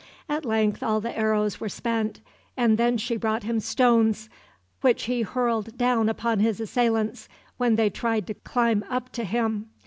At length all the arrows were spent, and then she brought him stones, which he hurled down upon his assailants when they tried to climb up to him.